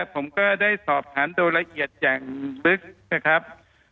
ผมก็ได้สอบถามโดยละเอียดอย่างลึกนะครับ